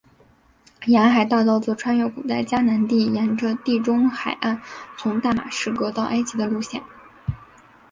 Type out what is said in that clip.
沿海大道则穿越古代迦南地沿着地中海岸从大马士革到埃及的路线。